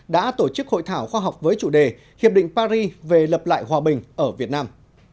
đã tổ chức hội thảo khoa học với chủ đề hiệp định paris về lập lại hòa bình ở việt nam